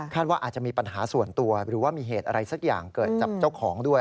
ว่าอาจจะมีปัญหาส่วนตัวหรือว่ามีเหตุอะไรสักอย่างเกิดกับเจ้าของด้วย